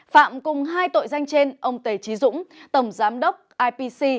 phạm cùng hai tội danh trên ông tề trí dũng tổng giám đốc ipc